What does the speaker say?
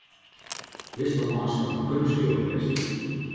Witsto eins wat in keunstskilder is?